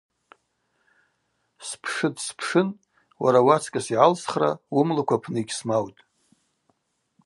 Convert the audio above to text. Спшытӏ-спшын – уара уацкӏыс йгӏалсхра уымлыкв апны йгьсмаутӏ.